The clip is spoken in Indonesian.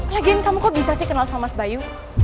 lagiin kamu kok bisa sih kenal sama mas bayu